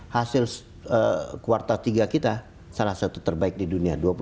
hasil kuartal tiga kita salah satu terbaik di dunia